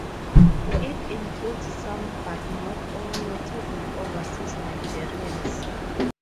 It includes some but not all notable overseas Nigerians.